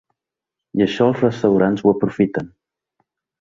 I això els restaurants ho aprofiten.